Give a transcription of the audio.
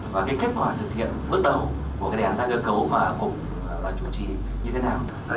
và cái kết quả thực hiện bước đầu của cái đề án tái cơ cấu mà cục chủ trì như thế nào